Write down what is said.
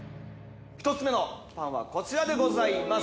１つ目のパンはこちらでございます